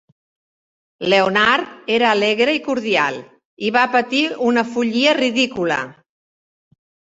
Leonard era alegre i cordial, i va patir una follia ridícula.